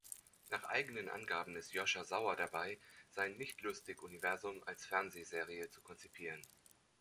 Nach eigenen Angaben ist Joscha Sauer dabei, sein "Nichtlustig"-Universum als Fernsehserie zu konzipieren.